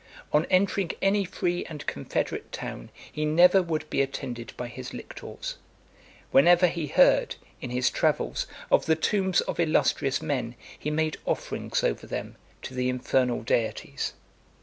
On entering any free and confederate town, he never would be attended by his lictors. Whenever he heard, in his travels, of the tombs of illustrious men, he made offerings over them to the infernal deities.